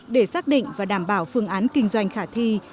để xác định và đảm bảo phương án kinh doanh khả thi